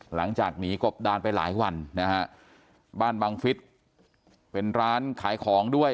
หลังจากหนีกบดานไปหลายวันนะฮะบ้านบังฟิศเป็นร้านขายของด้วย